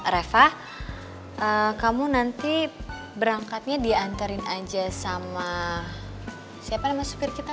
reva kamu nanti berangkatnya dianterin aja sama siapa namanya sopir kita